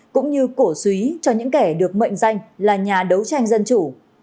cũng như cổ suý cho những kẻ được mệnh danh là nhà đấu tranh dân chủ